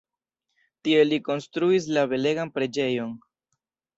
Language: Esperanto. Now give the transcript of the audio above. Tie li konstruis la belegan preĝejon.